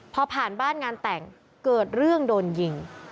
พอผ่านบ้านงานแต่งเกิดเรื่องโดนยิง